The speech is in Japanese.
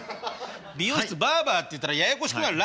美容室バーバーっていったらややこしくなる。